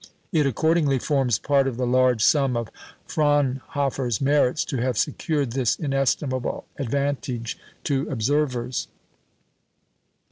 It accordingly forms part of the large sum of Fraunhofer's merits to have secured this inestimable advantage to observers.